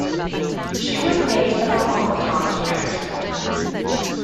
She was named for the home of Thomas Jefferson.